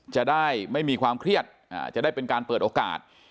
จะได้ไม่มีความเครียดจะได้เป็นการเปิดโอกาส